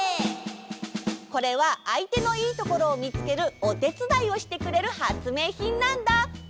これはあいてのいいところをみつけるおてつだいをしてくれるはつめいひんなんだ。